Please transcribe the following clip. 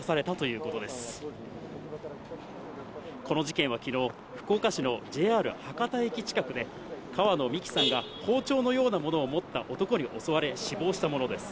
この事件はきのう、福岡市のＪＲ博多駅近くで、川野美樹さんが包丁のようなものを持った男に襲われ、死亡したものです。